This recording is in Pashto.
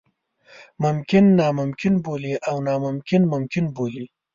ممکن ناممکن بولي او ناممکن ممکن بولي.